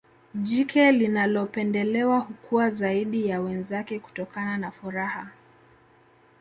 jike linalopendelewa hukua zaidi ya wenzake kutokana na furaha